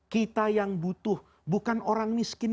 kita yang butuh bukan orang miskin